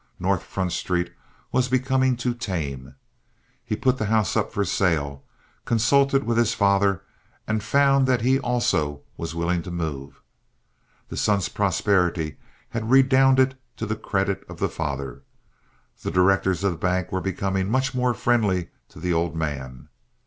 North Front Street was becoming too tame. He put the house up for sale, consulted with his father and found that he also was willing to move. The son's prosperity had redounded to the credit of the father. The directors of the bank were becoming much more friendly to the old man.